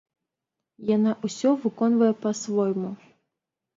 Яна ўсё выконвае па-свойму.